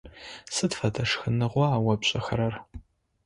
Сыд фэдэ шхыныгъуа о пшӏыхэрэр?